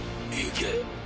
行け！